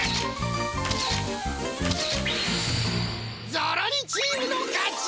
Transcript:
ゾロリチームの勝ち！